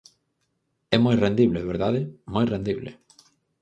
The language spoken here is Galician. É moi rendible, ¿verdade?, moi rendible.